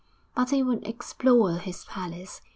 But he would explore his palace!